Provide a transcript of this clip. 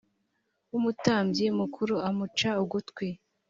w umutambyi mukuru amuca ugutwi